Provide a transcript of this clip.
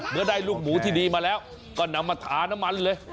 เมื่อได้ลูกหมูที่ดีมาแล้วก็นำมาทาน้ำมันเลย